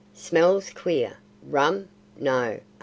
Smells queer. Rum? No.